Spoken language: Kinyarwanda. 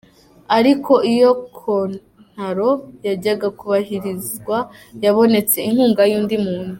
Ariko iyo kontaro yajyaga kubahirizwa habonetse inkunga y'"undi muntu".